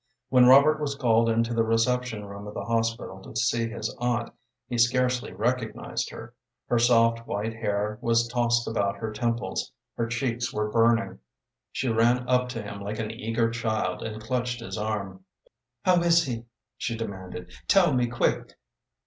When Robert was called into the reception room of the hospital to see his aunt, he scarcely recognized her. Her soft, white hair was tossed about her temples, her cheeks were burning. She ran up to him like an eager child and clutched his arm. "How is he?" she demanded. "Tell me quick!"